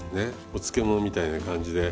お漬物みたいな感じで。